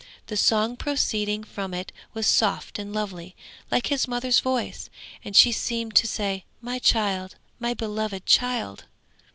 The song proceeding from it was soft and lovely, like his mother's voice, and she seemed to say, 'My child, my beloved child!'